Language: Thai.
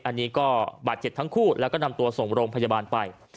อันนี้ก็บาดเจ็บทั้งคู่แล้วก็นำตัวส่งโรงพยาบาลไป